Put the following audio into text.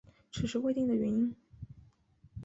迟迟未定的原因